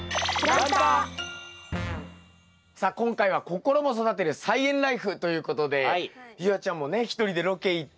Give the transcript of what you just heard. さあ今回は「ココロも育てる！菜園ライフ」ということで夕空ちゃんもね一人でロケ行って。